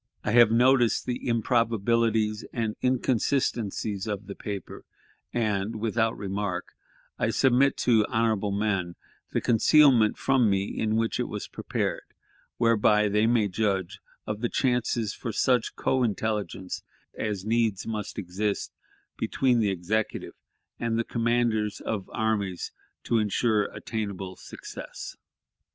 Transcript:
I have noticed the improbabilities and inconsistencies of the paper, and, without remark, I submit to honorable men the concealment from me in which it was prepared, whereby they may judge of the chances for such co intelligence as needs must exist between the Executive and the commanders of armies to insure attainable success.